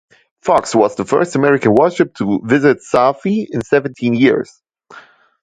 "Fox" was the first American warship to visit Safi in seventeen years.